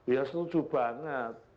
ya setuju banget